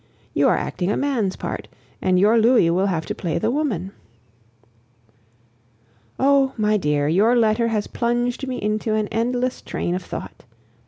You are acting a man's part, and your Louis will have to play the woman! Oh! my dear, your letter has plunged me into an endless train of thought.